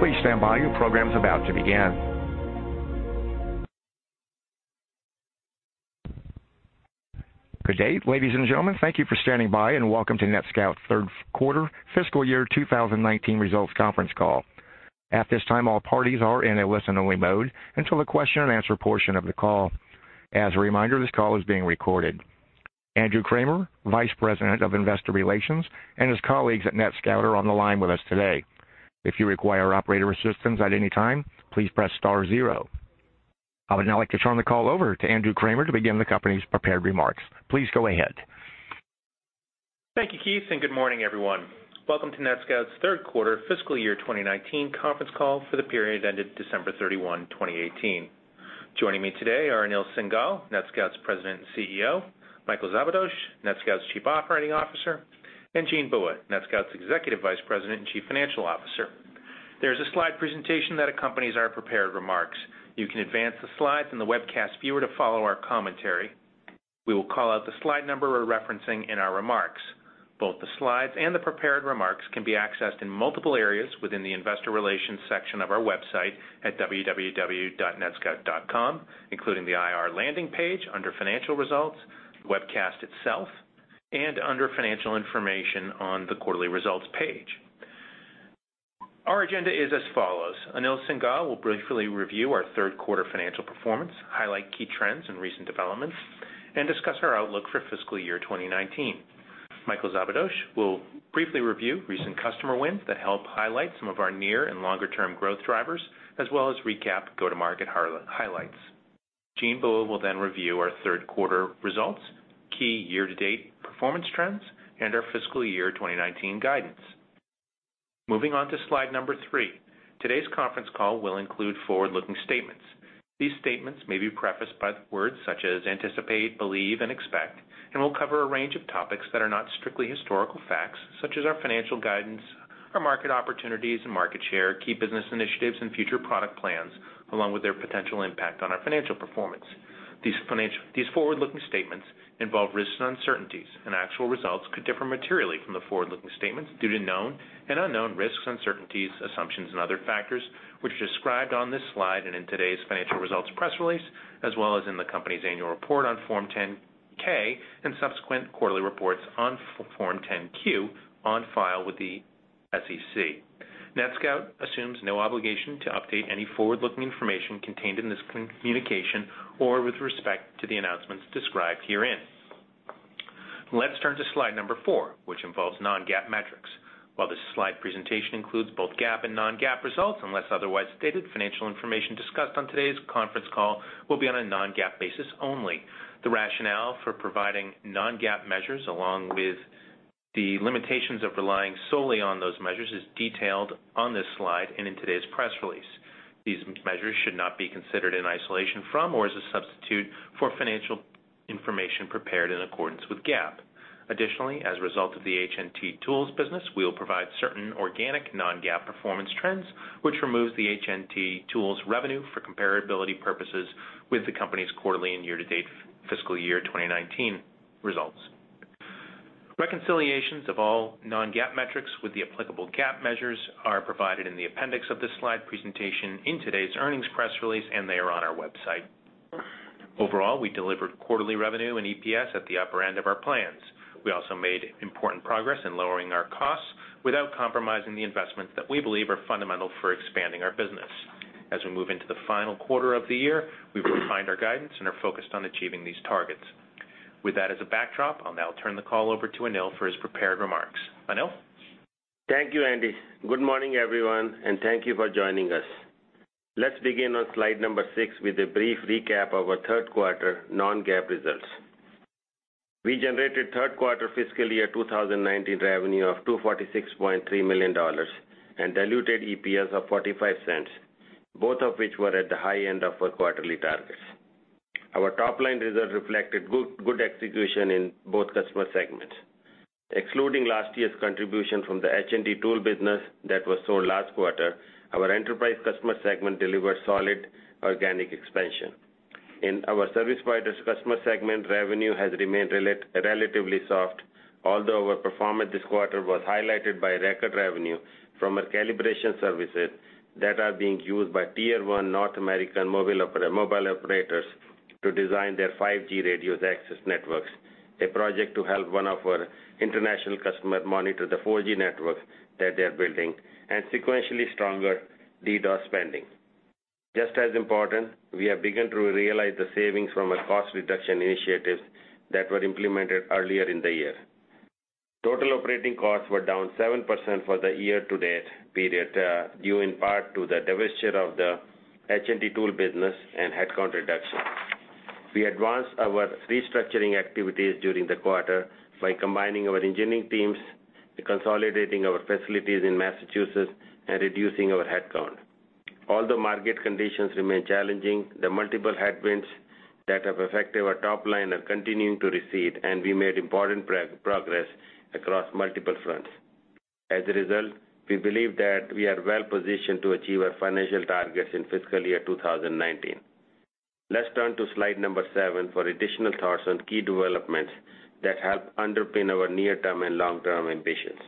Please stand by. Your program is about to begin. Good day, ladies and gentlemen. Thank you for standing by, and welcome to NetScout's third quarter fiscal year 2019 results conference call. At this time, all parties are in a listen-only mode until the question and answer portion of the call. As a reminder, this call is being recorded. Andrew Kramer, Vice President of Investor Relations, and his colleagues at NetScout are on the line with us today. If you require operator assistance at any time, please press star zero. I would now like to turn the call over to Andrew Kramer to begin the company's prepared remarks. Please go ahead. Thank you, Keith, and good morning, everyone. Welcome to NetScout's third quarter fiscal year 2019 conference call for the period ended December 31, 2018. Joining me today are Anil Singhal, NetScout's President and CEO; Michael Szabados, NetScout's Chief Operating Officer; and Jean Bua, NetScout's Executive Vice President and Chief Financial Officer. There's a slide presentation that accompanies our prepared remarks. You can advance the slides in the webcast viewer to follow our commentary. We will call out the slide number we're referencing in our remarks. Both the slides and the prepared remarks can be accessed in multiple areas within the investor relations section of our website at www.netscout.com, including the IR landing page under financial results, the webcast itself, and under financial information on the quarterly results page. Our agenda is as follows. Anil Singhal will briefly review our third quarter financial performance, highlight key trends and recent developments, and discuss our outlook for fiscal year 2019. Michael Szabados will briefly review recent customer wins that help highlight some of our near and longer-term growth drivers, as well as recap go-to-market highlights. Jean Bua will then review our third quarter results, key year-to-date performance trends, and our fiscal year 2019 guidance. Moving on to slide number three. Today's conference call will include forward-looking statements. These statements may be prefaced by words such as anticipate, believe, and expect, and will cover a range of topics that are not strictly historical facts, such as our financial guidance, our market opportunities and market share, key business initiatives, and future product plans, along with their potential impact on our financial performance. These forward-looking statements involve risks and uncertainties, and actual results could differ materially from the forward-looking statements due to known and unknown risks, uncertainties, assumptions, and other factors which are described on this slide and in today's financial results press release, as well as in the company's annual report on Form 10-K and subsequent quarterly reports on Form 10-Q on file with the SEC. NetScout assumes no obligation to update any forward-looking information contained in this communication or with respect to the announcements described herein. Let's turn to slide number four, which involves non-GAAP metrics. While this slide presentation includes both GAAP and non-GAAP results, unless otherwise stated, financial information discussed on today's conference call will be on a non-GAAP basis only. The rationale for providing non-GAAP measures, along with the limitations of relying solely on those measures, is detailed on this slide and in today's press release. These measures should not be considered in isolation from or as a substitute for financial information prepared in accordance with GAAP. Additionally, as a result of the HNT Tools business, we will provide certain organic non-GAAP performance trends, which removes the HNT Tools revenue for comparability purposes with the company's quarterly and year-to-date fiscal year 2019 results. Reconciliations of all non-GAAP metrics with the applicable GAAP measures are provided in the appendix of this slide presentation in today's earnings press release, and they are on our website. Overall, we delivered quarterly revenue and EPS at the upper end of our plans. We also made important progress in lowering our costs without compromising the investments that we believe are fundamental for expanding our business. As we move into the final quarter of the year, we've refined our guidance and are focused on achieving these targets. With that as a backdrop, I'll now turn the call over to Anil for his prepared remarks. Anil? Thank you, Andy. Good morning, everyone, and thank you for joining us. Let's begin on slide number six with a brief recap of our third quarter non-GAAP results. We generated third-quarter fiscal year 2019 revenue of $246.3 million and diluted EPS of $0.45, both of which were at the high end of our quarterly targets. Our top-line results reflected good execution in both customer segments. Excluding last year's contribution from the HNT Tool business that was sold last quarter, our enterprise customer segment delivered solid organic expansion. In our service providers customer segment, revenue has remained relatively soft, although our performance this quarter was highlighted by record revenue from our calibration services that are being used by tier 1 North American mobile operators to design their 5G radio access networks, a project to help one of our international customers monitor the 4G network that they're building, and sequentially stronger DDoS spending. Just as important, we have begun to realize the savings from our cost reduction initiatives that were implemented earlier in the year. Total operating costs were down 7% for the year-to-date period, due in part to the divestiture of the HNT Tools business and headcount reduction. We advanced our restructuring activities during the quarter by combining our engineering teams, consolidating our facilities in Massachusetts, and reducing our headcount. Although market conditions remain challenging, the multiple headwinds that have affected our top line are continuing to recede. We made important progress across multiple fronts. As a result, we believe that we are well positioned to achieve our financial targets in fiscal year 2019. Let's turn to slide number seven for additional thoughts on key developments that help underpin our near-term and long-term ambitions.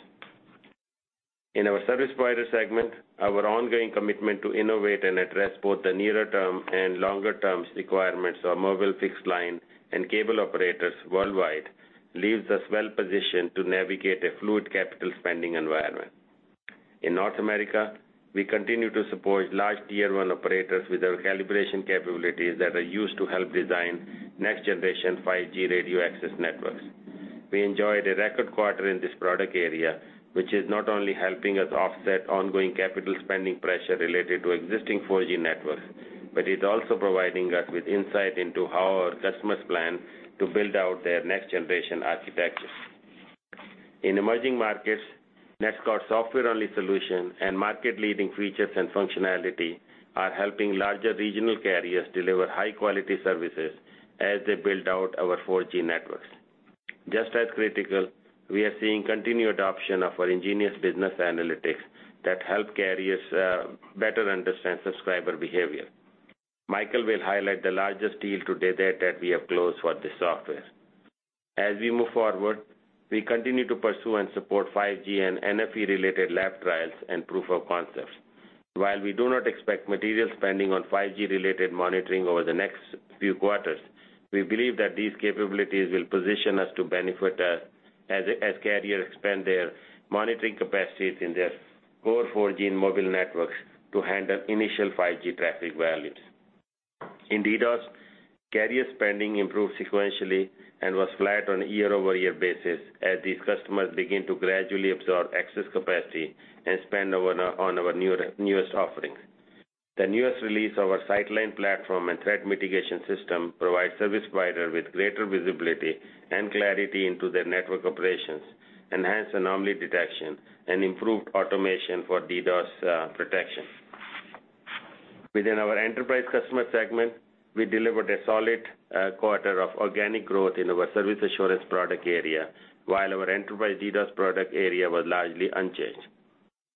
In our service provider segment, our ongoing commitment to innovate and address both the nearer term and longer term requirements of mobile fixed line and cable operators worldwide leaves us well-positioned to navigate a fluid capital spending environment. In North America, we continue to support large tier 1 operators with our calibration capabilities that are used to help design next generation 5G radio access networks. We enjoyed a record quarter in this product area, which is not only helping us offset ongoing capital spending pressure related to existing 4G networks, but is also providing us with insight into how our customers plan to build out their next generation architectures. In emerging markets, NetScout software-only solution and market-leading features and functionality are helping larger regional carriers deliver high-quality services as they build out our 4G networks. Just as critical, we are seeing continued adoption of our nGenius Business Analytics that help carriers better understand subscriber behavior. Michael will highlight the largest deal to date that we have closed for this software. As we move forward, we continue to pursue and support 5G and NFV related lab trials and proof of concepts. While we do not expect material spending on 5G related monitoring over the next few quarters, we believe that these capabilities will position us to benefit as carriers expand their monitoring capacities in their core 4G and mobile networks to handle initial 5G traffic volumes. In DDoS, carrier spending improved sequentially and was flat on a year-over-year basis as these customers begin to gradually absorb excess capacity and spend on our newest offerings. The newest release of our Sightline platform and threat mitigation system provide service provider with greater visibility and clarity into their network operations, enhanced anomaly detection, and improved automation for DDoS protection. Within our enterprise customer segment, we delivered a solid quarter of organic growth in our service assurance product area. While our enterprise DDoS product area was largely unchanged.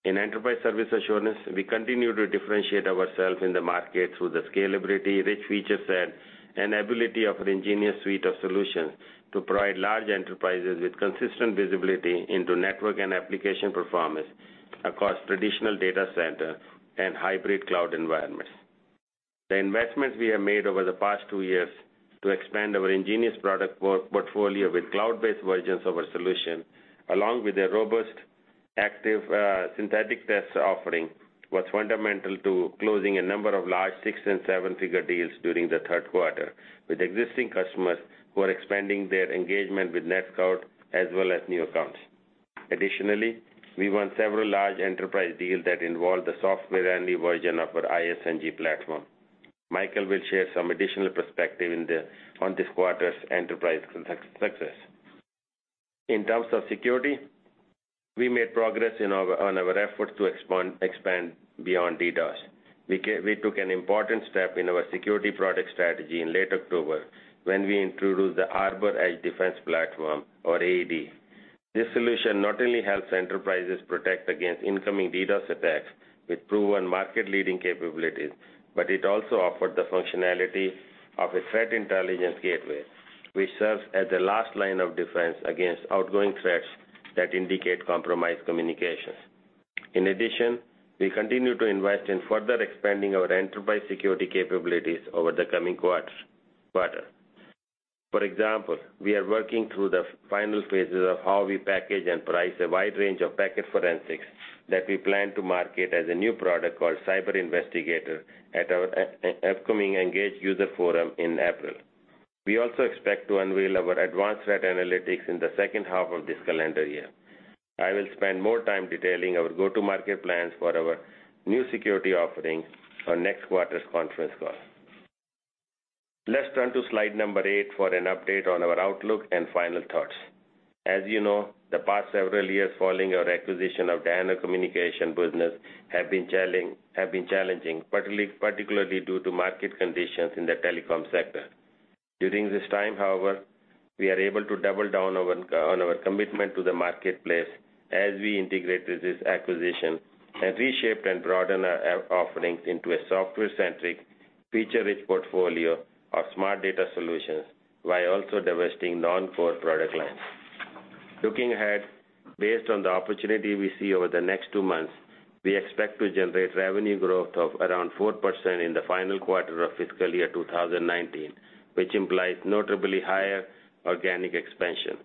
In enterprise service assurance, we continue to differentiate ourselves in the market through the scalability, rich feature set, and ability of our nGenius suite of solutions to provide large enterprises with consistent visibility into network and application performance across traditional data center and hybrid cloud environments. The investments we have made over the past two years to expand our nGenius product portfolio with cloud-based versions of our solution, along with a robust, active synthetic test offering, was fundamental to closing a number of large six and seven-figure deals during the third quarter with existing customers who are expanding their engagement with NetScout, as well as new accounts. Additionally, we won several large enterprise deals that involved the software-only version of our ISNG platform. Michael will share some additional perspective on this quarter's enterprise success. In terms of security, we made progress on our efforts to expand beyond DDoS. We took an important step in our security product strategy in late October when we introduced the Arbor Edge Defense Platform, or AED. This solution not only helps enterprises protect against incoming DDoS attacks with proven market-leading capabilities, but it also offered the functionality of a threat intelligence gateway, which serves as the last line of defense against outgoing threats that indicate compromised communications. In addition, we continue to invest in further expanding our enterprise security capabilities over the coming quarter. For example, we are working through the final phases of how we package and price a wide range of packet forensics that we plan to market as a new product called Cyber Investigator at our upcoming ENGAGE user forum in April. We also expect to unveil our advanced threat analytics in the second half of this calendar year. I will spend more time detailing our go-to-market plans for our new security offerings on next quarter's conference call. Let's turn to slide number eight for an update on our outlook and final thoughts. As you know, the past several years following our acquisition of Danaher Corporation's Communications Business have been challenging, particularly due to market conditions in the telecom sector. During this time, however, we are able to double down on our commitment to the marketplace as we integrated this acquisition and reshaped and broadened our offerings into a software-centric, feature-rich portfolio of Smart Data solutions, while also divesting non-core product lines. Looking ahead, based on the opportunity we see over the next two months, we expect to generate revenue growth of around 4% in the final quarter of fiscal year 2019, which implies notably higher organic expansion.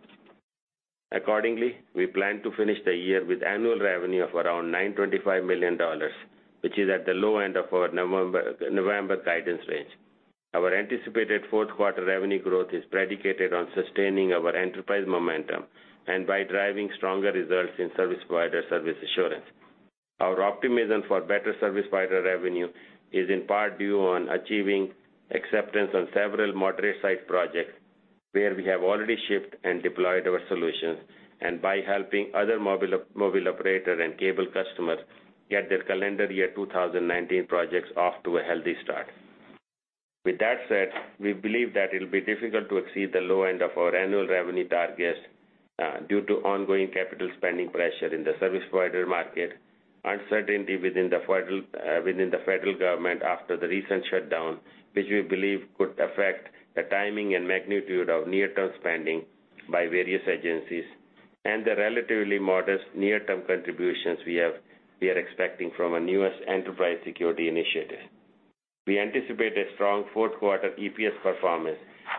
Accordingly, we plan to finish the year with annual revenue of around $925 million, which is at the low end of our November guidance range. Our anticipated fourth quarter revenue growth is predicated on sustaining our enterprise momentum and by driving stronger results in service provider service assurance. Our optimism for better service provider revenue is in part due on achieving acceptance on several moderate site projects where we have already shipped and deployed our solutions, and by helping other mobile operator and cable customers get their calendar year 2019 projects off to a healthy start. With that said, we believe that it'll be difficult to exceed the low end of our annual revenue targets due to ongoing capital spending pressure in the service provider market, uncertainty within the federal government after the recent shutdown, which we believe could affect the timing and magnitude of near-term spending by various agencies, and the relatively modest near-term contributions we are expecting from our newest enterprise security initiative. We anticipate a strong fourth quarter EPS performance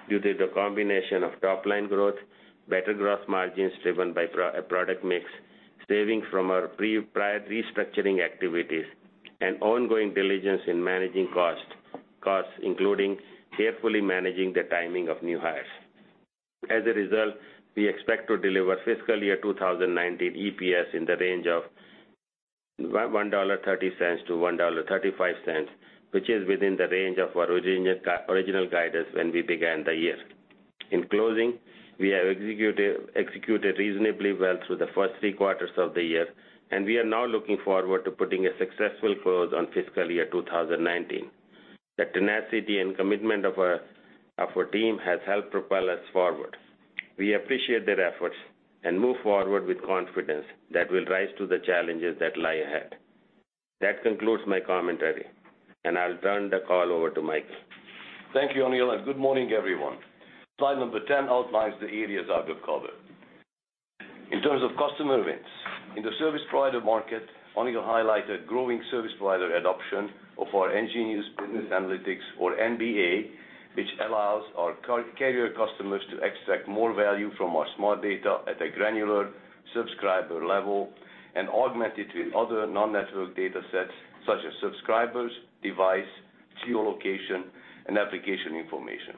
due to the combination of top-line growth, better gross margins driven by product mix, saving from our prior restructuring activities, and ongoing diligence in managing costs, including carefully managing the timing of new hires. As a result, we expect to deliver fiscal year 2019 EPS in the range of $1.30-$1.35, which is within the range of our original guidance when we began the year. In closing, we have executed reasonably well through the first three quarters of the year, and we are now looking forward to putting a successful close on fiscal year 2019. The tenacity and commitment of our team has helped propel us forward. We appreciate their efforts and move forward with confidence that we'll rise to the challenges that lie ahead. That concludes my commentary, and I'll turn the call over to Michael. Thank you, Anil, good morning, everyone. Slide number 10 outlines the areas I will cover. In terms of customer wins, in the service provider market, Anil highlighted growing service provider adoption of our nGenius Business Analytics or nBA, which allows our carrier customers to extract more value from our Smart Data at a granular subscriber level and augment it with other non-network data sets such as subscribers, device, geolocation, and application information.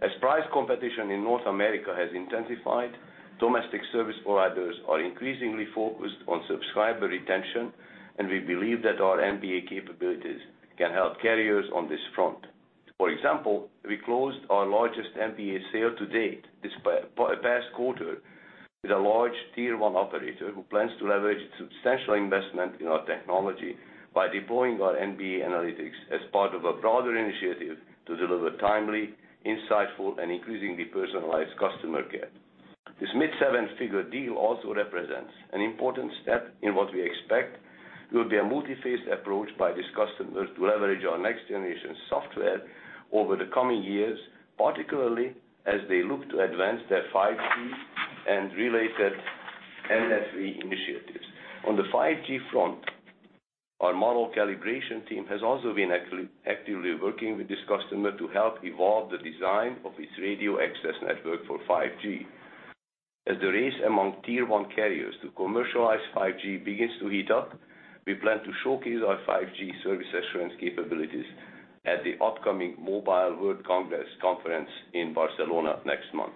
As price competition in North America has intensified, domestic service providers are increasingly focused on subscriber retention, and we believe that our nBA capabilities can help carriers on this front. For example, we closed our largest nBA sale to date this past quarter with a large tier 1 operator who plans to leverage substantial investment in our technology by deploying our nBA analytics as part of a broader initiative to deliver timely, insightful, and increasingly personalized customer care. This mid-seven-figure deal also represents an important step in what we expect will be a multi-phased approach by this customer to leverage our next-generation software over the coming years, particularly as they look to advance their 5G and related NFV initiatives. On the 5G front, our model calibration team has also been actively working with this customer to help evolve the design of its radio access network for 5G. As the race among tier 1 carriers to commercialize 5G begins to heat up, we plan to showcase our 5G service assurance capabilities at the upcoming Mobile World Congress conference in Barcelona next month.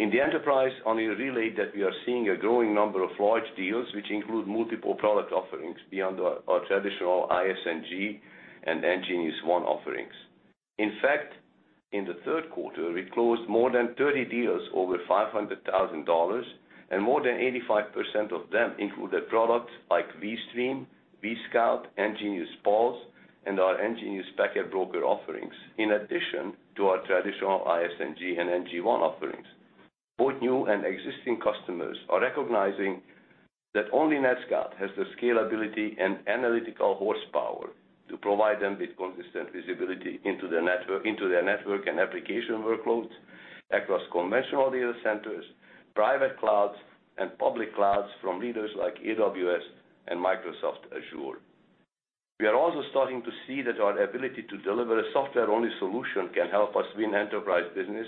In the enterprise, Anil relayed that we are seeing a growing number of large deals, which include multiple product offerings beyond our traditional ISNG and nGeniusONE offerings. In fact, in the third quarter, we closed more than 30 deals over $500,000, more than 85% of them included products like vSTREAM, vSCOUT, nGeniusPULSE, and our nGenius Packet Broker offerings, in addition to our traditional ISNG andnGeniusONE offerings. Both new and existing customers are recognizing that only NetScout has the scalability and analytical horsepower to provide them with consistent visibility into their network and application workloads across conventional data centers, private clouds, and public clouds from leaders like AWS and Microsoft Azure. We are also starting to see that our ability to deliver a software-only solution can help us win enterprise business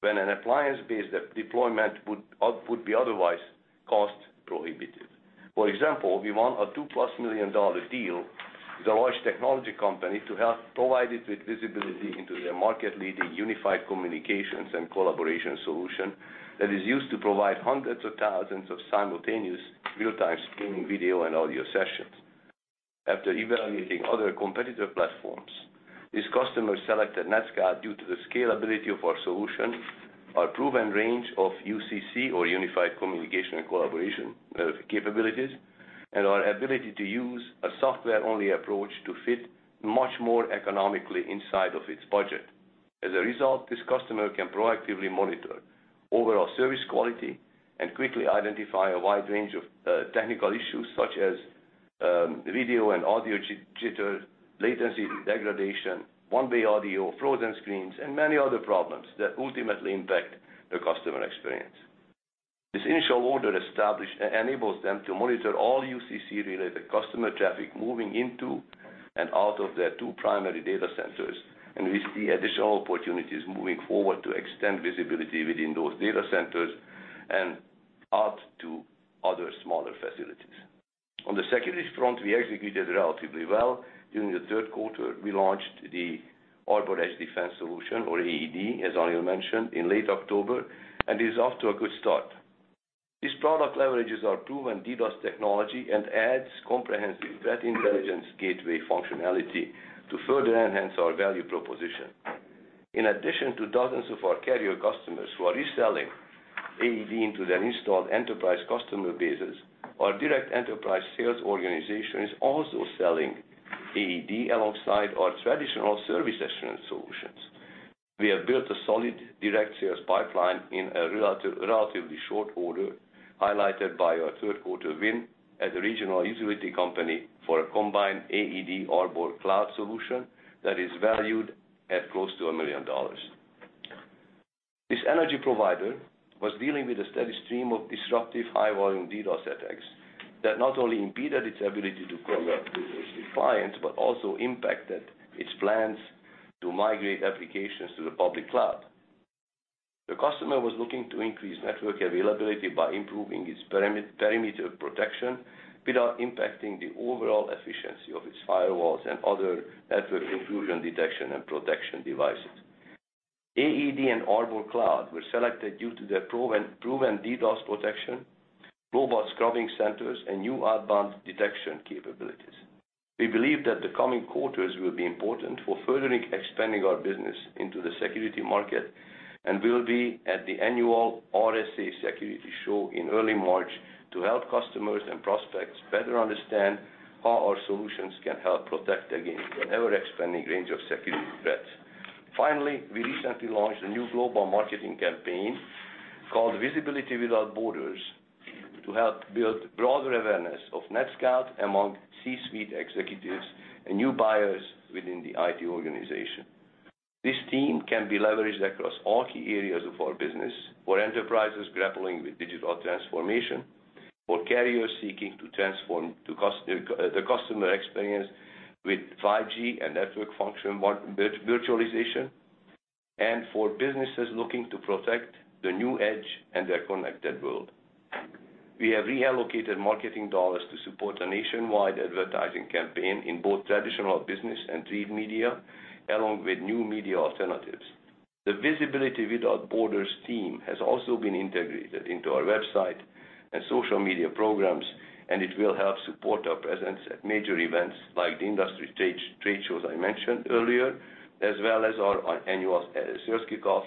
when an appliance-based deployment would be otherwise cost-prohibited. For example, we won a $2 million-plus deal with a large technology company to help provide it with visibility into their market-leading Unified Communications and Collaboration solution that is used to provide hundreds of thousands of simultaneous real-time streaming video and audio sessions. After evaluating other competitor platforms, this customer selected NetScout due to the scalability of our solution, our proven range of UCC or Unified Communications and Collaboration capabilities, and our ability to use a software-only approach to fit much more economically inside of its budget. As a result, this customer can proactively monitor overall service quality and quickly identify a wide range of technical issues such as video and audio jitter, latency degradation, one-way audio, frozen screens, and many other problems that ultimately impact the customer experience. This initial order enables them to monitor all UCC-related customer traffic moving into and out of their two primary data centers, and we see additional opportunities moving forward to extend visibility within those data centers and out to other smaller facilities. On the security front, we executed relatively well during the third quarter. We launched the Arbor Edge Defense solution, or AED, as Anil mentioned, in late October, and it is off to a good start. This product leverages our proven DDoS technology and adds comprehensive threat intelligence gateway functionality to further enhance our value proposition. In addition to dozens of our carrier customers who are reselling AED into their installed enterprise customer bases, our direct enterprise sales organization is also selling AED alongside our traditional service assurance solutions. We have built a solid direct sales pipeline in a relatively short order, highlighted by our third quarter win at the regional utility company for a combined AED Arbor Cloud solution that is valued at close to $1 million. This energy provider was dealing with a steady stream of disruptive high-volume DDoS attacks that not only impeded its ability to conduct business with clients, but also impacted its plans to migrate applications to the public cloud. The customer was looking to increase network availability by improving its perimeter protection without impacting the overall efficiency of its firewalls and other network intrusion detection and protection devices. AED and Arbor Cloud were selected due to their proven DDoS protection, global scrubbing centers, and new advanced detection capabilities. We believe that the coming quarters will be important for further expanding our business into the security market and will be at the annual RSA Conference in early March to help customers and prospects better understand how our solutions can help protect against an ever-expanding range of security threats. Finally, we recently launched a new global marketing campaign called Visibility Without Borders to help build broader awareness of NetScout among C-suite executives and new buyers within the IT organization. This team can be leveraged across all key areas of our business for enterprises grappling with digital transformation, for carriers seeking to transform the customer experience with 5G and Network Functions Virtualization, and for businesses looking to protect the new edge and their connected world. We have reallocated marketing dollars to support a nationwide advertising campaign in both traditional business and trade media, along with new media alternatives. The Visibility Without Borders team has also been integrated into our website and social media programs, it will help support our presence at major events like the industry trade shows I mentioned earlier, as well as our annual sales kickoff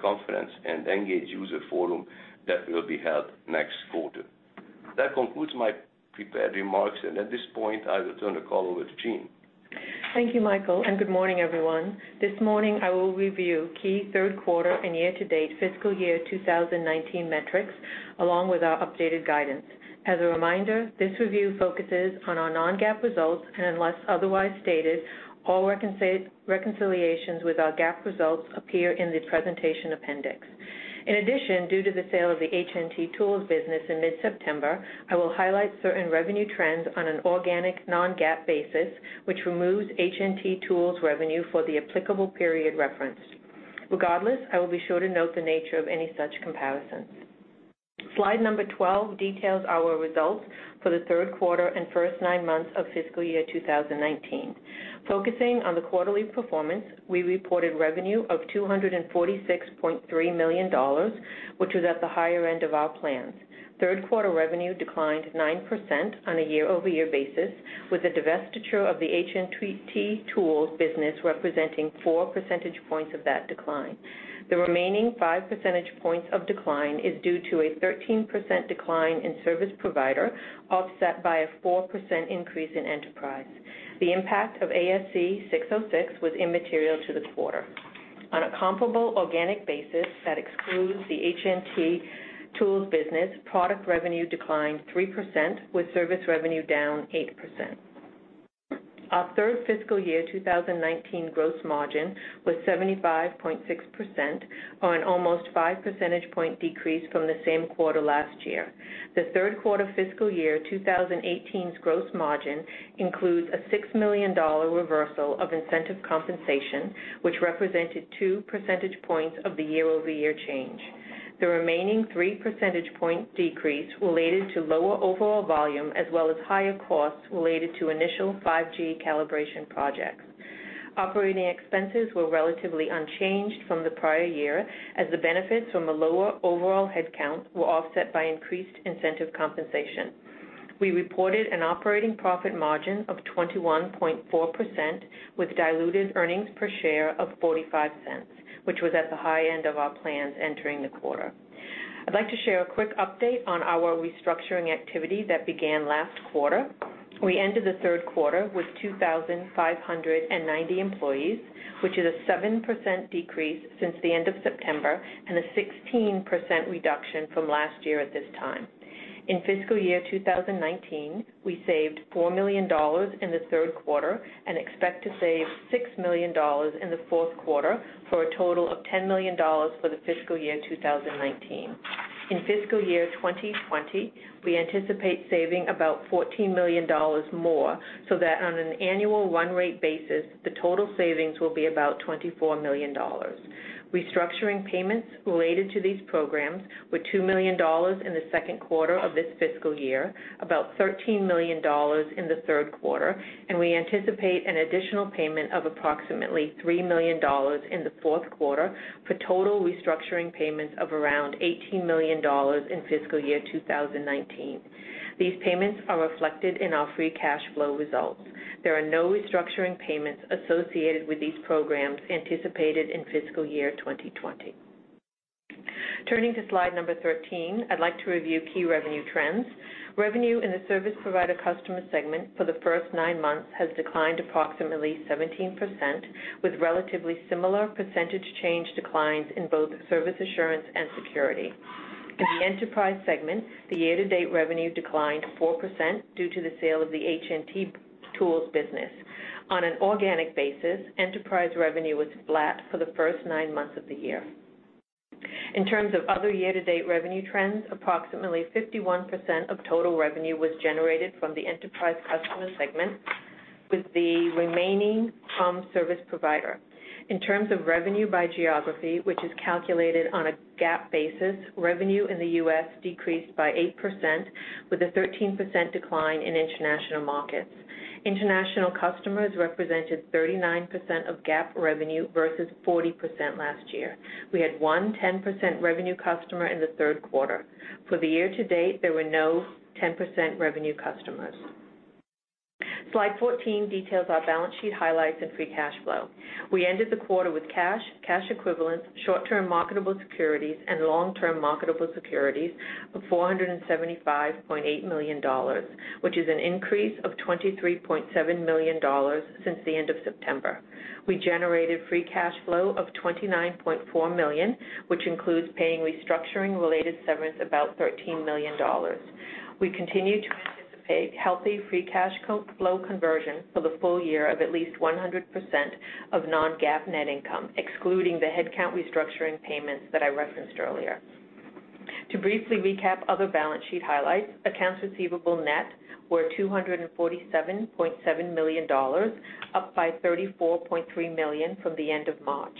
conference and ENGAGE user forum that will be held next quarter. That concludes my prepared remarks, and at this point, I will turn the call over to Jean. Thank you, Michael, good morning, everyone. This morning, I will review key third quarter and year-to-date fiscal year 2019 metrics, along with our updated guidance. As a reminder, this review focuses on our non-GAAP results, unless otherwise stated, all reconciliations with our GAAP results appear in the presentation appendix. In addition, due to the sale of the HNT Tools business in mid-September, I will highlight certain revenue trends on an organic non-GAAP basis, which removes HNT Tools revenue for the applicable period referenced. Regardless, I will be sure to note the nature of any such comparisons. Slide number 12 details our results for the third quarter and first nine months of fiscal year 2019. Focusing on the quarterly performance, we reported revenue of $246.3 million, which was at the higher end of our plans. Third quarter revenue declined 9% on a year-over-year basis, with the divestiture of the HNT Tools business representing four percentage points of that decline. The remaining five percentage points of decline is due to a 13% decline in service provider, offset by a 4% increase in enterprise. The impact of ASC 606 was immaterial to the quarter. On a comparable organic basis that excludes the HNT Tools business, product revenue declined 3%, with service revenue down 8%. Our third fiscal year 2019 gross margin was 75.6%, or an almost five percentage point decrease from the same quarter last year. The third quarter fiscal year 2018's gross margin includes a $6 million reversal of incentive compensation, which represented two percentage points of the year-over-year change. The remaining three percentage point decrease related to lower overall volume as well as higher costs related to initial 5G calibration projects. Operating expenses were relatively unchanged from the prior year as the benefits from a lower overall headcount were offset by increased incentive compensation. We reported an operating profit margin of 21.4%, with diluted earnings per share of $0.45, which was at the high end of our plans entering the quarter. I'd like to share a quick update on our restructuring activity that began last quarter. We ended the third quarter with 2,590 employees, which is a 7% decrease since the end of September and a 16% reduction from last year at this time. In fiscal year 2019, we saved $4 million in the third quarter and expect to save $6 million in the fourth quarter, for a total of $10 million for the fiscal year 2019. In fiscal year 2020, we anticipate saving about $14 million more, so that on an annual one-rate basis, the total savings will be about $24 million. Restructuring payments related to these programs were $2 million in the second quarter of this fiscal year, about $13 million in the third quarter, and we anticipate an additional payment of approximately $3 million in the fourth quarter, for total restructuring payments of around $18 million in fiscal year 2019. These payments are reflected in our free cash flow results. There are no restructuring payments associated with these programs anticipated in fiscal year 2020. Turning to slide number 13, I'd like to review key revenue trends. Revenue in the service provider customer segment for the first nine months has declined approximately 17%, with relatively similar percentage change declines in both service assurance and security. In the enterprise segment, the year-to-date revenue declined 4% due to the sale of the HNT Tools business. On an organic basis, enterprise revenue was flat for the first nine months of the year. In terms of other year-to-date revenue trends, approximately 51% of total revenue was generated from the enterprise customer segment, with the remaining from service provider. In terms of revenue by geography, which is calculated on a GAAP basis, revenue in the U.S. decreased by 8%, with a 13% decline in international markets. International customers represented 39% of GAAP revenue versus 40% last year. We had one 10% revenue customer in the third quarter. For the year to date, there were no 10% revenue customers. Slide 14 details our balance sheet highlights and free cash flow. We ended the quarter with cash equivalents, short-term marketable securities, and long-term marketable securities of $475.8 million, which is an increase of $23.7 million since the end of September. We generated free cash flow of $29.4 million, which includes paying restructuring-related severance about $13 million. We continue to anticipate healthy free cash flow conversion for the full year of at least 100% of non-GAAP net income, excluding the headcount restructuring payments that I referenced earlier. To briefly recap other balance sheet highlights, accounts receivable net were $247.7 million, up by $34.3 million from the end of March.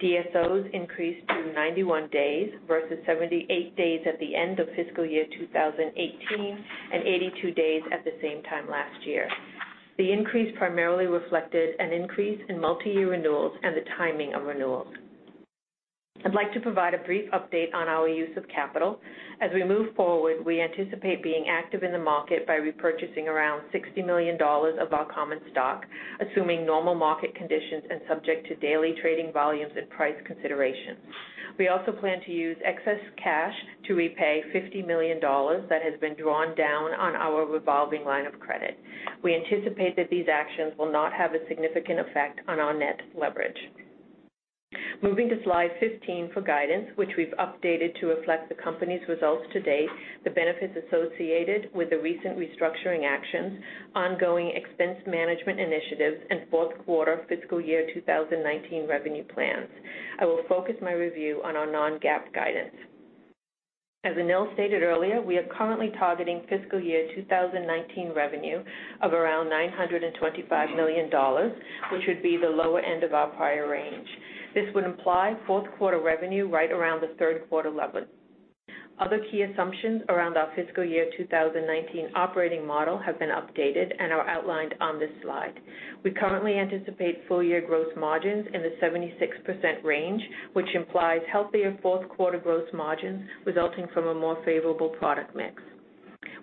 DSOs increased to 91 days versus 78 days at the end of fiscal year 2018 and 82 days at the same time last year. The increase primarily reflected an increase in multi-year renewals and the timing of renewals. I'd like to provide a brief update on our use of capital. As we move forward, we anticipate being active in the market by repurchasing around $60 million of our common stock, assuming normal market conditions and subject to daily trading volumes and price considerations. We also plan to use excess cash to repay $50 million that has been drawn down on our revolving line of credit. We anticipate that these actions will not have a significant effect on our net leverage. Moving to slide 15 for guidance, which we've updated to reflect the company's results to date, the benefits associated with the recent restructuring actions, ongoing expense management initiatives, and fourth quarter fiscal year 2019 revenue plans. I will focus my review on our non-GAAP guidance. As Anil stated earlier, we are currently targeting fiscal year 2019 revenue of around $925 million, which would be the lower end of our prior range. This would imply fourth quarter revenue right around the third quarter level. Other key assumptions around our fiscal year 2019 operating model have been updated and are outlined on this slide. We currently anticipate full-year growth margins in the 76% range, which implies healthier fourth-quarter growth margins resulting from a more favorable product mix.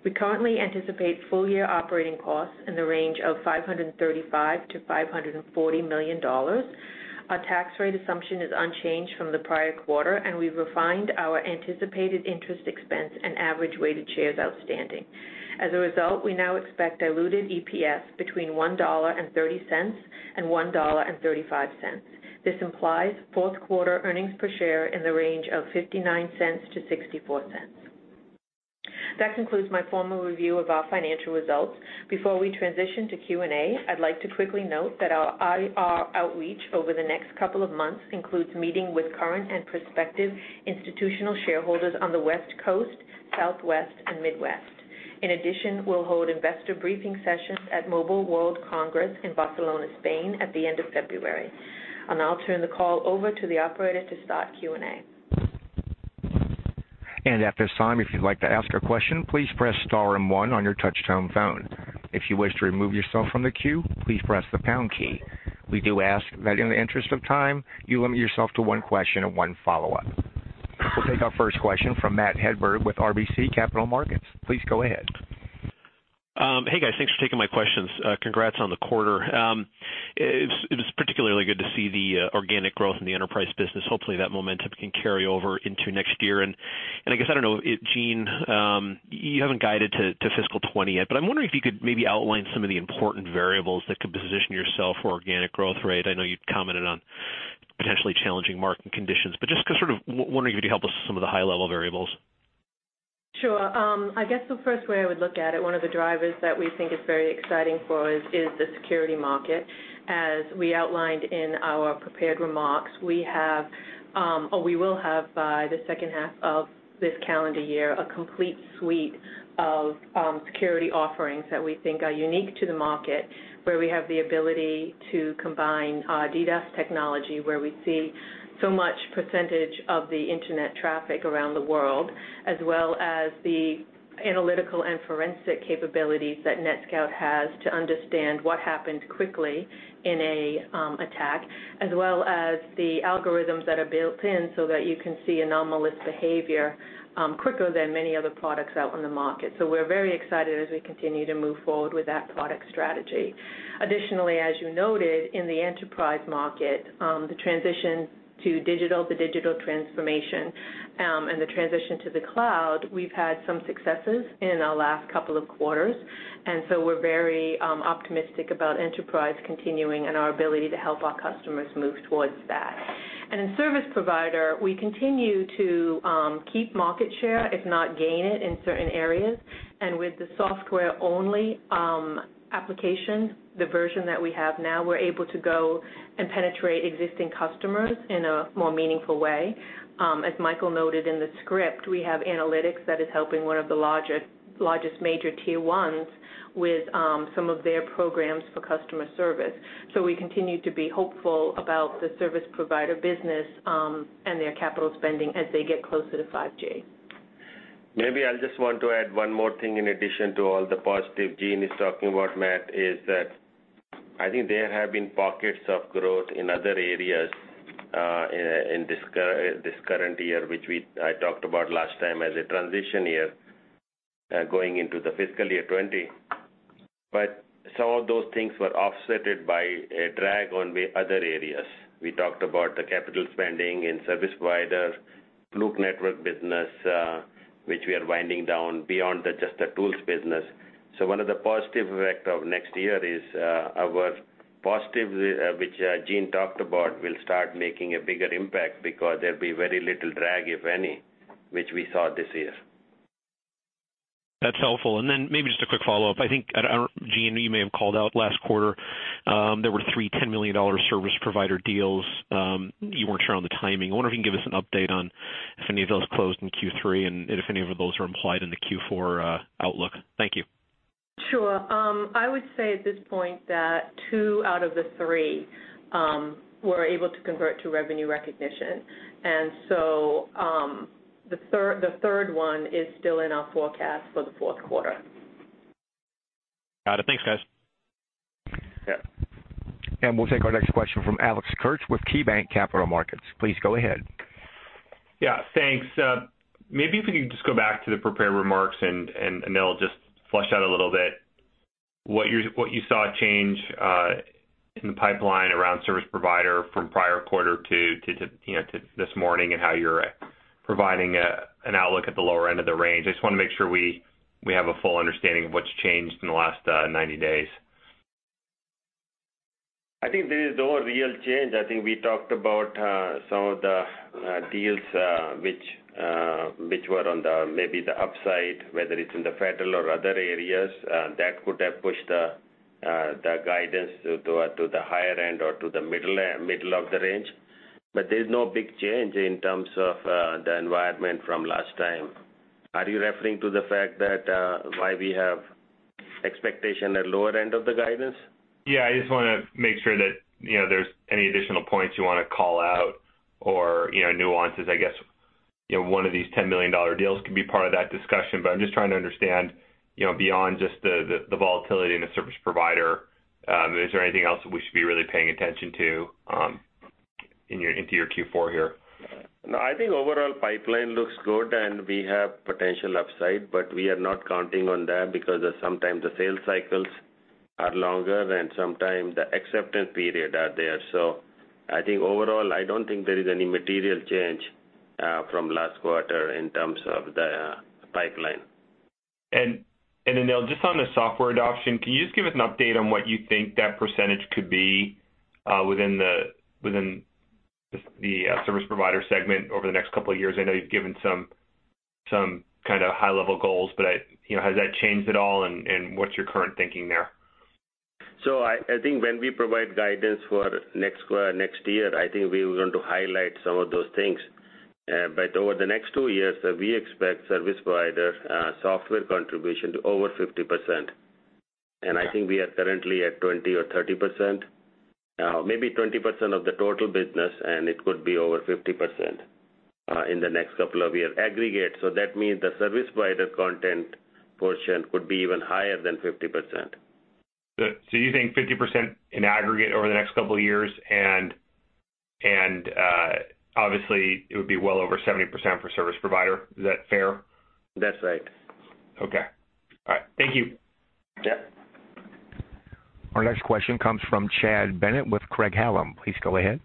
We currently anticipate full-year operating costs in the range of $535 million-$540 million. Our tax rate assumption is unchanged from the prior quarter, and we've refined our anticipated interest expense and average weighted shares outstanding. As a result, we now expect diluted EPS between $1.30 and $1.35. This implies fourth-quarter earnings per share in the range of $0.59-$0.64. That concludes my formal review of our financial results. Before we transition to Q&A, I'd like to quickly note that our outreach over the next couple of months includes meeting with current and prospective institutional shareholders on the West Coast, Southwest, and Midwest. We'll hold investor briefing sessions at Mobile World Congress in Barcelona, Spain, at the end of February. I'll now turn the call over to the operator to start Q&A. At this time, if you'd like to ask a question, please press star and one on your touch-tone phone. If you wish to remove yourself from the queue, please press the pound key. We do ask that in the interest of time, you limit yourself to one question and one follow-up. We'll take our first question from Matthew Hedberg with RBC Capital Markets. Please go ahead. Hey, guys. Thanks for taking my questions. Congrats on the quarter. It was particularly good to see the organic growth in the enterprise business. Hopefully, that momentum can carry over into next year. I guess, I don't know, Jean, you haven't guided to fiscal 2020 yet, but I'm wondering if you could maybe outline some of the important variables that could position yourself for organic growth rate. I know you've commented on potentially challenging market conditions, but I'm wondering if you'd help us with some of the high-level variables. Sure. I guess the first way I would look at it, one of the drivers that we think is very exciting for us is the security market. As we outlined in our prepared remarks, we will have by the second half of this calendar year, a complete suite of security offerings that we think are unique to the market, where we have the ability to combine DDoS technology, where we see so much percentage of the internet traffic around the world, as well as the analytical and forensic capabilities that NetScout has to understand what happened quickly in a attack, as well as the algorithms that are built in so that you can see anomalous behavior quicker than many other products out on the market. We're very excited as we continue to move forward with that product strategy. Additionally, as you noted, in the enterprise market, the transition to digital, the digital transformation, and the transition to the cloud, we've had some successes in our last couple of quarters. We're very optimistic about enterprise continuing and our ability to help our customers move towards that. In service provider, we continue to keep market share, if not gain it in certain areas. With the software-only application, the version that we have now, we're able to go and penetrate existing customers in a more meaningful way. As Michael noted in the script, we have analytics that is helping one of the largest major tier 1s with some of their programs for customer service. We continue to be hopeful about the service provider business, and their capital spending as they get closer to 5G. Maybe I'll just want to add one more thing in addition to all the positive Jean is talking about, Matt, is that I think there have been pockets of growth in other areas, in this current year, which I talked about last time as a transition year, going into the fiscal year 2020. Some of those things were offset by a drag on the other areas. We talked about the capital spending in service provider, Fluke Networks business, which we are winding down beyond just the tools business. One of the positive effect of next year is, our positive, which Jean talked about, will start making a bigger impact because there'll be very little drag, if any, which we saw this year. That's helpful. Maybe just a quick follow-up. I think, Jean, you may have called out last quarter, there were three $10 million service provider deals. You weren't sure on the timing. I wonder if you can give us an update on if any of those closed in Q3, and if any of those are implied in the Q4 outlook. Thank you. Sure. I would say at this point that two out of the three, were able to convert to revenue recognition. The third one is still in our forecast for the fourth quarter. Got it. Thanks, guys. Yeah. We'll take our next question from Alex Kurtz with KeyBanc Capital Markets. Please go ahead. Yeah. Thanks. Maybe if you could just go back to the prepared remarks and, Anil, just flesh out a little bit what you saw change, in the pipeline around service provider from prior quarter to this morning, and how you're providing an outlook at the lower end of the range. I just want to make sure we have a full understanding of what's changed in the last 90 days. I think there is no real change. I think we talked about some of the deals, which were on the, maybe the upside, whether it's in the federal or other areas, that could have pushed the guidance to the higher end or to the middle of the range. There's no big change in terms of the environment from last time. Are you referring to the fact that, why we have expectation at lower end of the guidance? Yeah, I just want to make sure that there's any additional points you want to call out or nuances, I guess. One of these $10 million deals could be part of that discussion, but I'm just trying to understand, beyond just the volatility in the service provider, is there anything else that we should be really paying attention to into your Q4 here? No, I think overall pipeline looks good, and we have potential upside, but we are not counting on that because sometimes the sales cycles are longer, and sometimes the acceptance period are there. I think overall, I don't think there is any material change from last quarter in terms of the pipeline. Anil, just on the software adoption, can you just give us an update on what you think that percentage could be, within the service provider segment over the next couple of years? I know you've given some high-level goals, but has that changed at all and what's your current thinking there? I think when we provide guidance for next year, I think we are going to highlight some of those things. Over the next two years, we expect service provider software contribution to over 50%. I think we are currently at 20% or 30%, maybe 20% of the total business, and it could be over 50% in the next couple of years aggregate. That means the service provider content portion could be even higher than 50%. Good. You think 50% in aggregate over the next couple of years, and obviously, it would be well over 70% for service provider. Is that fair? That's right. Okay. All right. Thank you. Yeah. Our next question comes from Chad Bennett with Craig-Hallum. Please go ahead.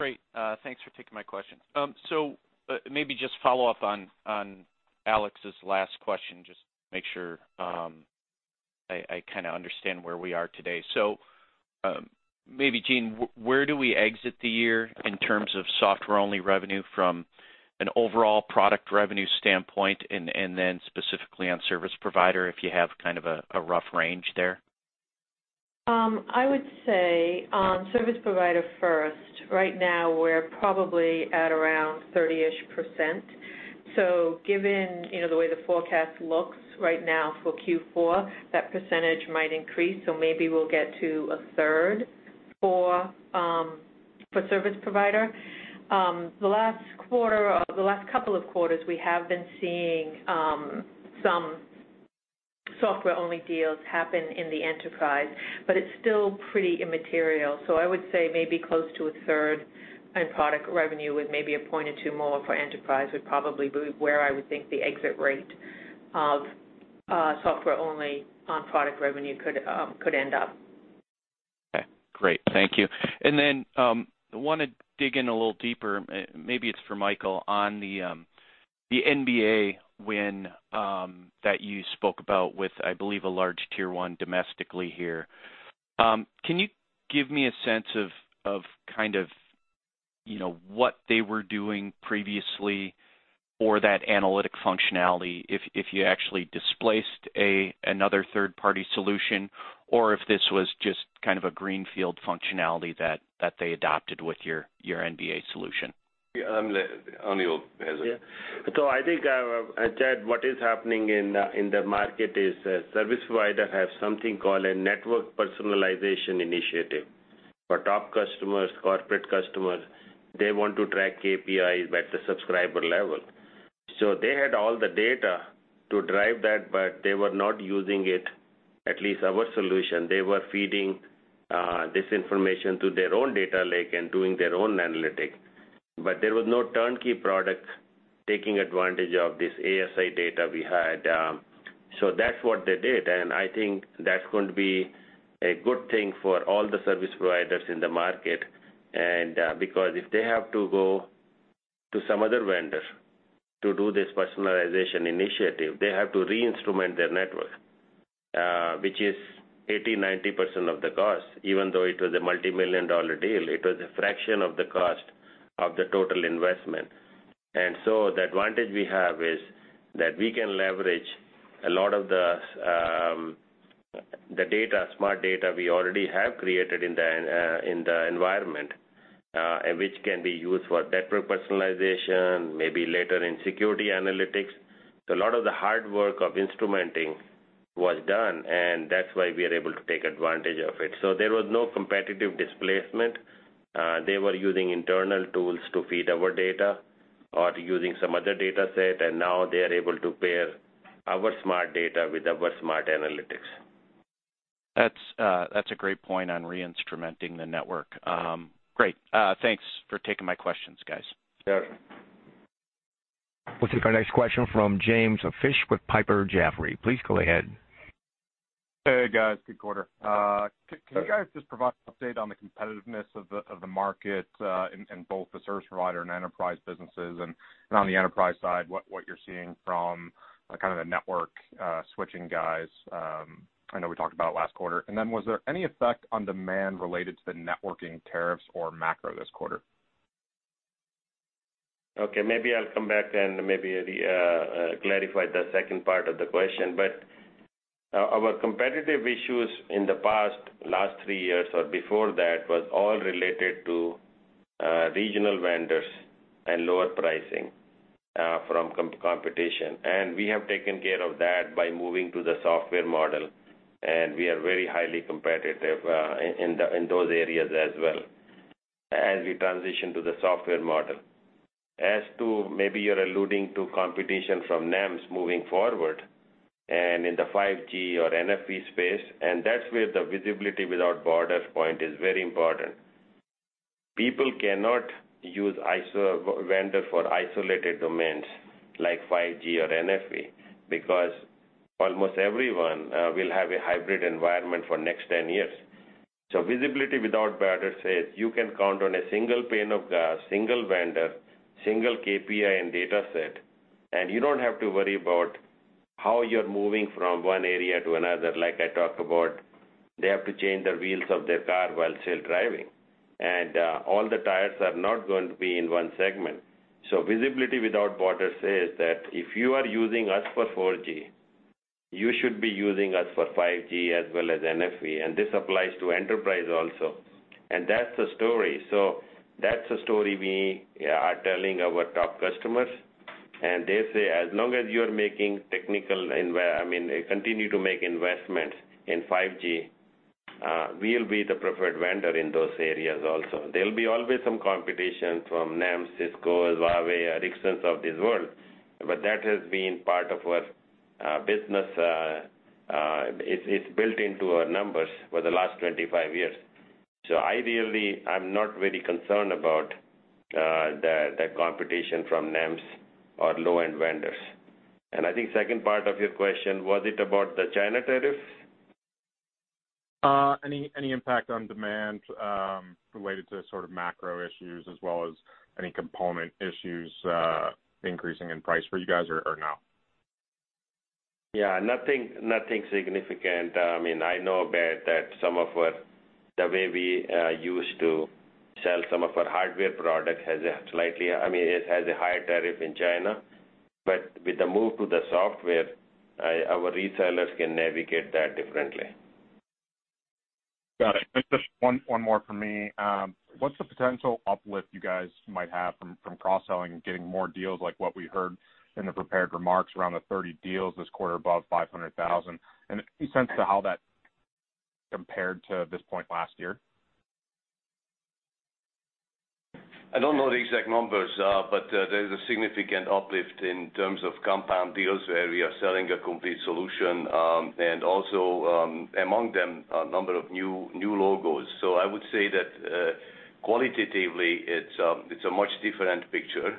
Great. Thanks for taking my question. Maybe just follow up on Alex's last question, just make sure I kind of understand where we are today. Maybe Jean, where do we exit the year in terms of software-only revenue from an overall product revenue standpoint, and then specifically on service provider, if you have kind of a rough range there? I would say, service provider first. Right now, we're probably at around 30%. Given the way the forecast looks right now for Q4, that percentage might increase. Maybe we'll get to a third for service provider. The last couple of quarters, we have been seeing some software-only deals happen in the enterprise, but it's still pretty immaterial. I would say maybe close to a third in product revenue, with maybe a point or 2 more for enterprise, would probably be where I would think the exit rate of software-only on product revenue could end up. Okay. Great. Thank you. I want to dig in a little deeper, maybe it's for Michael, on the nBA win that you spoke about with, I believe, a large tier 1 domestically here. Can you give me a sense of what they were doing previously for that analytic functionality, if you actually displaced another third-party solution, or if this was just a greenfield functionality that they adopted with your nBA solution? Yeah. Anil has it. Yeah. I think, Chad, what is happening in the market is service provider have something called a network personalization initiative for top customers, corporate customers. They want to track KPIs at the subscriber level. They had all the data to drive that, but they were not using it, at least our solution. They were feeding this information to their own data lake and doing their own analytics. There was no turnkey product taking advantage of this ASI data we had. That's what they did, and I think that's going to be a good thing for all the service providers in the market. Because if they have to go to some other vendor to do this personalization initiative, they have to re-instrument their network, which is 80%-90% of the cost. Even though it was a multimillion-dollar deal, it was a fraction of the cost of the total investment. The advantage we have is that we can leverage a lot of the data, Smart Data we already have created in the environment, and which can be used for network personalization, maybe later in security analytics. A lot of the hard work of instrumenting was done, and that's why we are able to take advantage of it. There was no competitive displacement. They were using internal tools to feed our data or using some other dataset, and now they are able to pair our Smart Data with our smart analytics. That's a great point on re-instrumenting the network. Great. Thanks for taking my questions, guys. Sure. We'll take our next question from James Fish with Piper Sandler. Please go ahead. Hey, guys, good quarter. Thanks. Could you guys just provide an update on the competitiveness of the market, in both the service provider and enterprise businesses, and on the enterprise side, what you're seeing from the network switching guys? I know we talked about it last quarter. Was there any effect on demand related to the networking tariffs or macro this quarter? Okay. Maybe I'll come back and maybe clarify the second part of the question. Our competitive issues in the past, last three years or before that, was all related to regional vendors and lower pricing from competition. We have taken care of that by moving to the software model, and we are very highly competitive in those areas as well, as we transition to the software model. As to maybe you're alluding to competition from NEMs moving forward and in the 5G or NFV space, that's where the Visibility Without Borders point is very important. People cannot use vendor for isolated domains like 5G or NFV because almost everyone will have a hybrid environment for next 10 years. Visibility Without Borders says you can count on a single pane of glass, single vendor, single KPI and dataset. You don't have to worry about how you're moving from one area to another. Like I talk about, they have to change the wheels of their car while still driving. All the tires are not going to be in one segment. Visibility Without Borders says that if you are using us for 4G, you should be using us for 5G as well as NFV, and this applies to enterprise also. That's the story. That's the story we are telling our top customers, and they say as long as you continue to make investments in 5G, we'll be the preferred vendor in those areas also. There'll be always some competition from NEMs, Ciscos, Huawei, Ericssons of this world, but that has been part of. It's built into our numbers for the last 25 years. Ideally, I'm not very concerned about the competition from NEMs or low-end vendors. I think second part of your question, was it about the China tariff? Any impact on demand related to macro issues as well as any component issues increasing in price for you guys or no? Yeah. Nothing significant. I know that some of the way we used to sell some of our hardware products has a higher tariff in China. With the move to the software, our retailers can navigate that differently. Got it. Just one more from me. What's the potential uplift you guys might have from cross-selling and getting more deals like what we heard in the prepared remarks around the 30 deals this quarter above $500,000? Any sense to how that compared to this point last year? I don't know the exact numbers. There is a significant uplift in terms of compound deals where we are selling a complete solution, and also, among them, a number of new logos. I would say that qualitatively, it's a much different picture.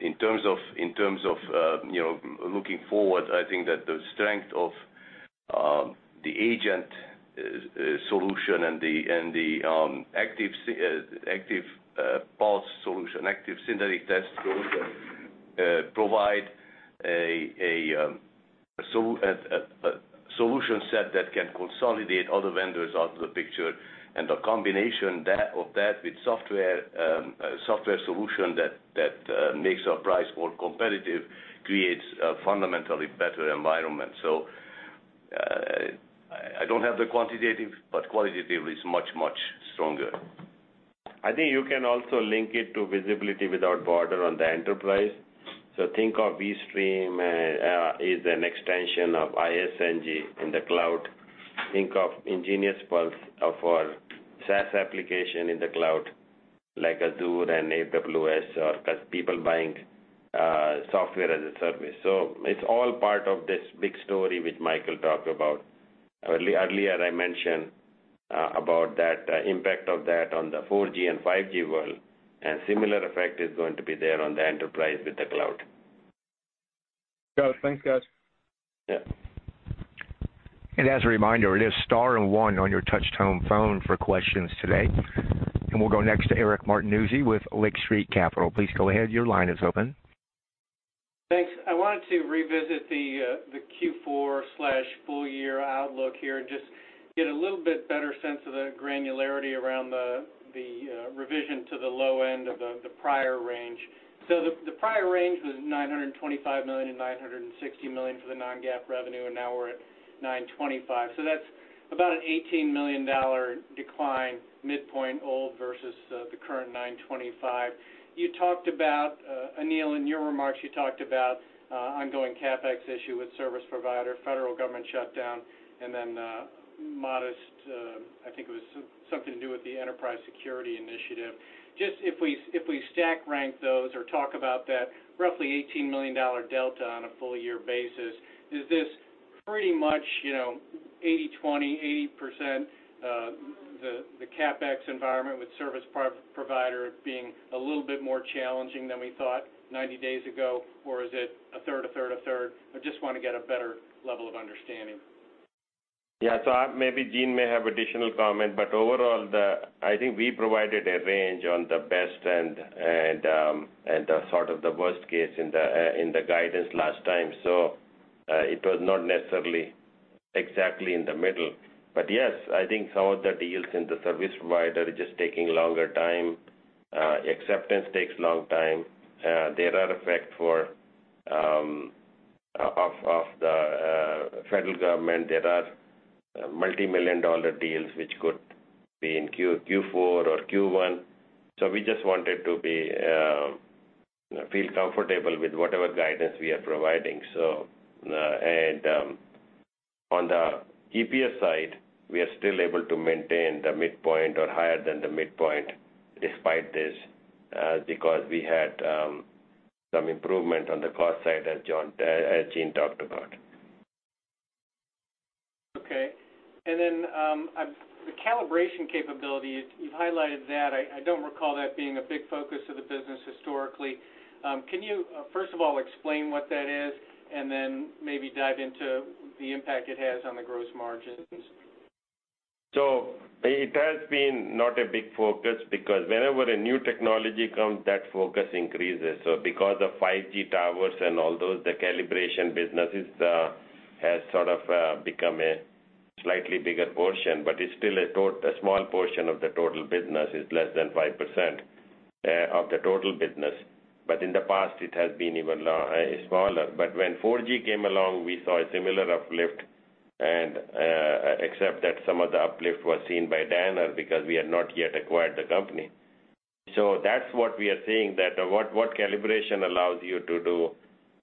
In terms of looking forward, I think that the strength ofThe agent solution and the active path solution, active synthetic test solution, provide a solution set that can consolidate other vendors out of the picture. The combination of that with software solution that makes our price more competitive creates a fundamentally better environment. I don't have the quantitative, qualitative is much, much stronger. I think you can also link it to Visibility Without Borders on the enterprise. Think of vSTREAM as an extension of InfiniStreamNG in the cloud. Think of nGeniusPULSE for our SaaS application in the cloud, like Azure and AWS or people buying software as a service. It's all part of this big story, which Michael talked about. Earlier, I mentioned about that impact of that on the 4G and 5G world, similar effect is going to be there on the enterprise with the cloud. Got it. Thanks, guys. Yeah. As a reminder, it is star and one on your touch-tone phone for questions today. We'll go next to Eric Martinuzzi with Lake Street Capital Markets. Please go ahead. Your line is open. Thanks. I wanted to revisit the Q4/full year outlook here and just get a little bit better sense of the granularity around the revision to the low end of the prior range. The prior range was $925 million-$960 million for the non-GAAP revenue, now we're at $925. That's about an $18 million decline, midpoint old versus the current $925. Anil, in your remarks, you talked about ongoing CapEx issue with service provider, federal government shutdown, then modest, I think it was something to do with the enterprise security initiative. Just if we stack rank those or talk about that roughly $18 million delta on a full year basis, is this pretty much, 80/20, 80% the CapEx environment with service provider being a little bit more challenging than we thought 90 days ago? Or is it a third, a third, a third? I just want to get a better level of understanding. Maybe Jean may have additional comment, overall, I think we provided a range on the best end and the sort of the worst case in the guidance last time. It was not necessarily exactly in the middle. Yes, I think some of the deals in the service provider are just taking longer time. Acceptance takes a long time. There are effect of the federal government, there are multimillion-dollar deals which could be in Q4 or Q1. We just wanted to feel comfortable with whatever guidance we are providing. On the EPS side, we are still able to maintain the midpoint or higher than the midpoint despite this, because we had some improvement on the cost side, as Jean talked about. Okay. The calibration capability, you've highlighted that. I don't recall that being a big focus of the business historically. Can you, first of all, explain what that is, and then maybe dive into the impact it has on the gross margins? It has been not a big focus because whenever a new technology comes, that focus increases. Because of 5G towers and all those, the calibration business has sort of become a slightly bigger portion, but it's still a small portion of the total business. It's less than 5% of the total business. In the past, it has been even smaller. When 4G came along, we saw a similar uplift, except that some of the uplift was seen by Danaher or because we had not yet acquired the company. That's what we are seeing, that what calibration allows you to do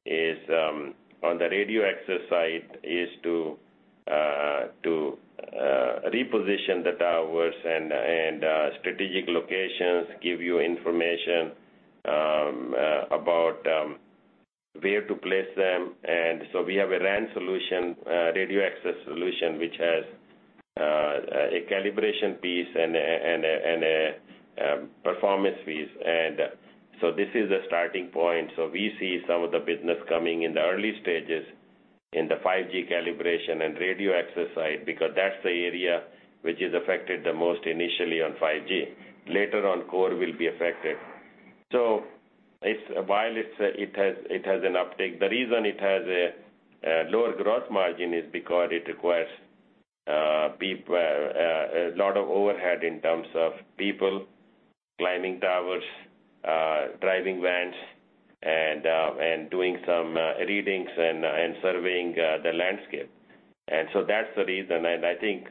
is, on the radio access side, is to reposition the towers and strategic locations, give you information about where to place them. We have a RAN solution, radio access solution, which has a calibration piece and a performance piece. This is the starting point. We see some of the business coming in the early stages in the 5G calibration and radio access side, because that's the area which is affected the most initially on 5G. Later on, core will be affected. While it has an uptick, the reason it has a lower gross margin is because it requires a lot of overhead in terms of people climbing towers, driving vans, and doing some readings and surveying the landscape. That's the reason. I think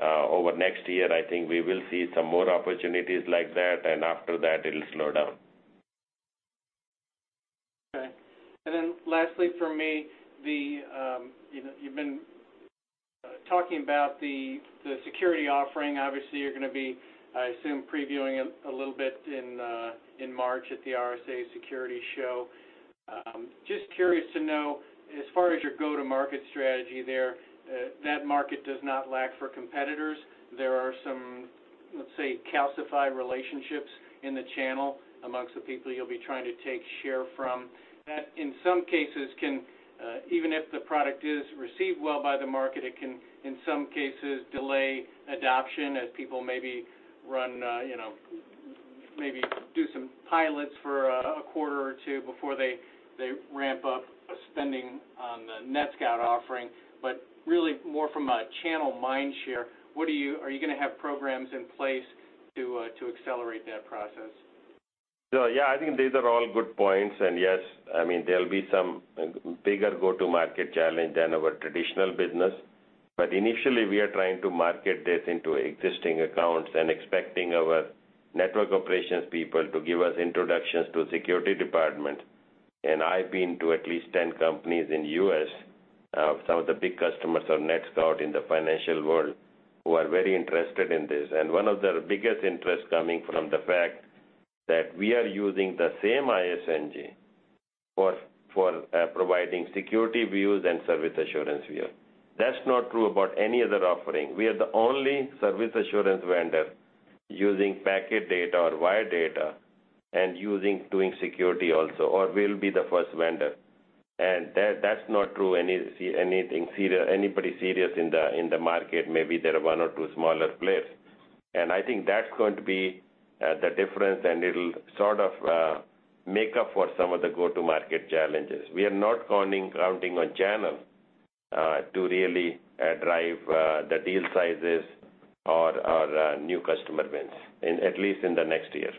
over next year, I think we will see some more opportunities like that. After that, it'll slow down. Okay. Lastly from me, you've been talking about the security offering. Obviously, you're going to be, I assume, previewing it a little bit in March at the RSA Conference. Just curious to know, as far as your go-to-market strategy there, that market does not lack for competitors. There are some, let's say, calcified relationships in the channel amongst the people you'll be trying to take share from. Even if the product is received well by the market, it can, in some cases, delay adoption as people maybe do some pilots for a quarter or two before they ramp up spending on the NetScout offering. Really more from a channel mind share, are you going to have programs in place to accelerate that process? Yeah, I think these are all good points. Yes, there'll be some bigger go-to-market challenge than our traditional business. Initially, we are trying to market this into existing accounts and expecting our network operations people to give us introductions to security department. I've been to at least 10 companies in U.S., some of the big customers of NetScout in the financial world, who are very interested in this. One of their biggest interest coming from the fact that we are using the same InfiniStreamNG for providing security views and service assurance view. That's not true about any other offering. We are the only service assurance vendor using packet data or wire data and doing security also, or will be the first vendor. That's not true, anybody serious in the market, maybe there are one or two smaller players. I think that's going to be the difference, and it'll sort of make up for some of the go-to-market challenges. We are not counting on channel, to really drive the deal sizes or our new customer wins, at least in the next year.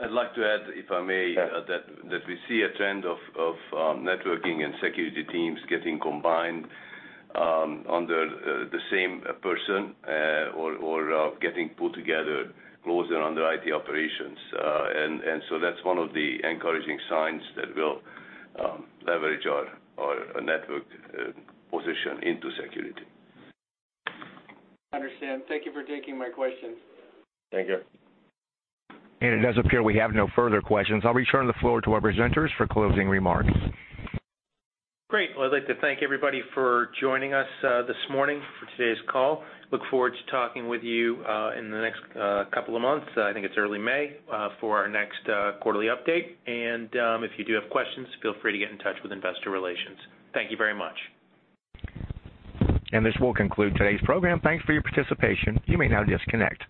I'd like to add, if I may. Yeah We see a trend of networking and security teams getting combined under the same person, or getting pulled together closer under IT operations. That's one of the encouraging signs that will leverage our network position into security. Understand. Thank you for taking my questions. Thank you. It does appear we have no further questions. I'll return the floor to our presenters for closing remarks. Great. Well, I'd like to thank everybody for joining us this morning for today's call. Look forward to talking with you in the next couple of months, I think it's early May, for our next quarterly update. If you do have questions, feel free to get in touch with investor relations. Thank you very much. This will conclude today's program. Thanks for your participation. You may now disconnect.